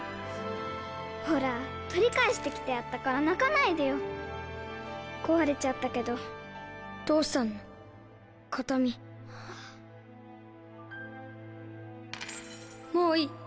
ほら取り返してきてやったから泣かな壊れちゃったけど父さんの形見あっもういい。